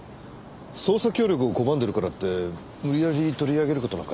捜査協力を拒んでるからって無理やり取り上げる事なんか出来ないでしょう。